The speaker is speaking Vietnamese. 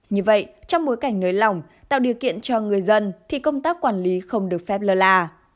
như vậy trong bối cảnh nới lỏng tạo điều kiện cho người dân thì công tác quản lý không được phép lơ là